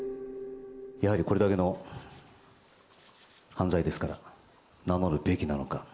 やはりこれだけの犯罪ですから、名乗るべきなのか。